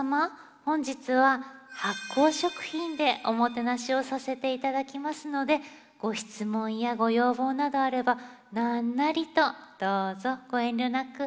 本日は発酵食品でおもてなしをさせて頂きますのでご質問やご要望などあればなんなりとどうぞご遠慮なく。